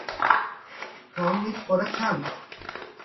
พร้อมมิตรโปรดักชั่น